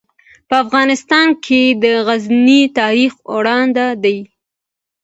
په افغانستان کې د غزني تاریخ اوږد دی.